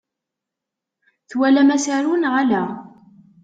Twalam asaru neɣ ala?